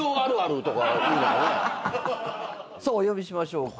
お呼びしましょうか。